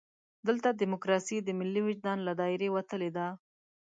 دلته ډیموکراسي د ملي وجدان له دایرې وتلې ده.